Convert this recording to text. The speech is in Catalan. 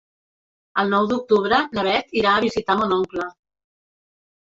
El nou d'octubre na Beth irà a visitar mon oncle.